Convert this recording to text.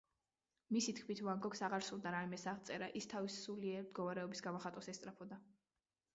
მისი თქმით ვან გოგს აღარ სურდა რაიმეს აღწერა, ის თავისი სულიერი მდგომარეობის გამოხატვას ესწრაფოდა.